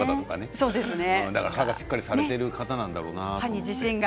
歯がしっかりされているんだろうなって。